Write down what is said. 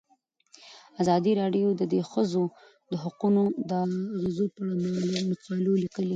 ازادي راډیو د د ښځو حقونه د اغیزو په اړه مقالو لیکلي.